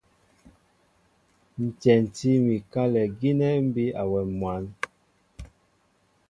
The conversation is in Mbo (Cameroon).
Tyɛntí mi kálɛ gínɛ́ mbí awɛm mwǎn.